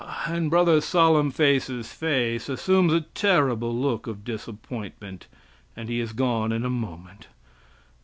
and Bro. S.'s face assumes a terrible look of disappointment, and he is gone in a moment.